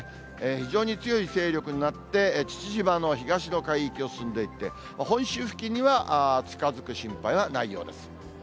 非常に強い勢力になって、父島の東の海域を進んでいって、本州付近には近づく心配はないようです。